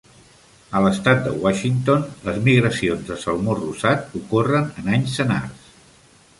En l'estat de Washington, les migracions de salmó rosat ocorren en anys senars.